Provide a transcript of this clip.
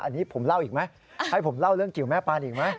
อันนี้ผมเล่าอีกไหมให้ผมเล่าเรื่องเกี่ยวแม่ปานอีกไหม